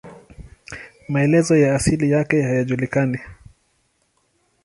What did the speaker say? Maelezo ya asili yake hayajulikani.